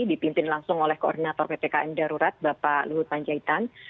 dipimpin langsung oleh koordinator ppkm darurat bapak luhut panjaitan